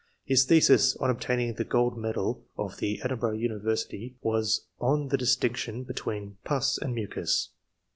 His thesis, on obtaining the gold medal of the Edinburgh University, was on the distinction be tween '' pus " and " mucus."